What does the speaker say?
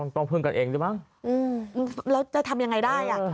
ต้องพึ่งกันเองด้วยมั้งแล้วจะทำยังไงได้อ่ะ